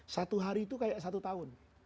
satu hari itu kayak satu tahun